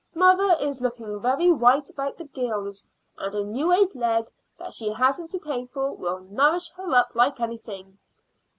Mother is looking very white about the gills; a new laid egg that she hasn't to pay for will nourish her up like anything."